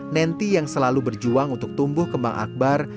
nenty yang selalu berjuang untuk tumbuh kembang akbar